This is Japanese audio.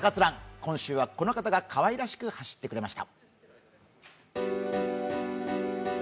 今週はこの方がかわいらしく走ってくれました。